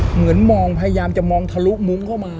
เหมือนมองพยายามจะมองทะลุมุ้งเข้ามา